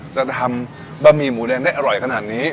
จะทำบะหมี่หมูแดงได้อร่อยขนาดนี้